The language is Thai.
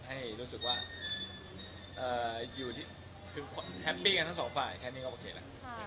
ให้รู้สึกว่าแฮปปี้กันทั้งสองฝ่ายแค่นี้ก็โอเคแหละ